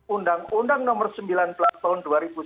undang undang nomor sembilan belas tahun dua ribu sembilan belas